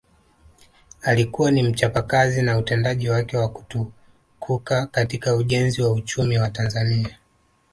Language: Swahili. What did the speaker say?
Alikuwa ni mchapakazi na utendaji wake wa kutukuka katika ujenzi wa uchumi wa Tanzania